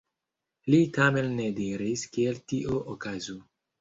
Li tamen ne diris, kiel tio okazu.